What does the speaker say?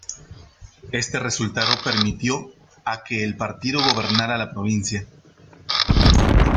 Este resultado permitió a que el partido gobernara la provincia.